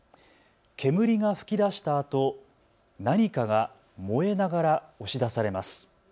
煙が吹き出したあと、何かが燃えながら押し出されます。